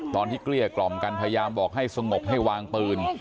เกลี้ยกล่อมกันพยายามบอกให้สงบให้วางปืน